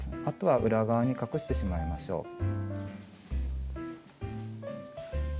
あとは裏側に隠してしまいましょう。